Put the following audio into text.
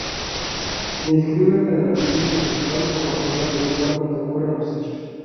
Se inscriben en el registro municipal o consular del lugar donde ocurran los hechos.